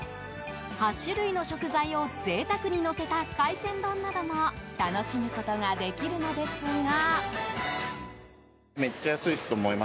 ８種類の食材を贅沢にのせた海鮮丼なども楽しむことができるのですが。